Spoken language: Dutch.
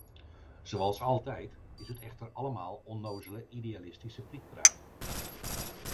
Zoals altijd is het echter allemaal onnozele idealistische prietpraat.